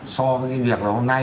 so với cái việc là hôm nay